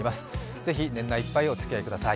ぜひ年内いっぱいおつきあいください。